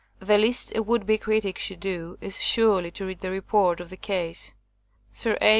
The least a would be critic should do is surely to read the report of the case. Sir A.